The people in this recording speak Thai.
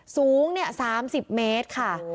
สูงเนี่ย๓๐เมตรค่ะ